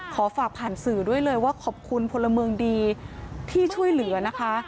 ขอฝากผ่านสื่อด้วยเลยว่าขอบคุณพลเมืองดีที่ช่วยเหลือนะคะ